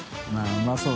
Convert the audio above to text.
うまそう。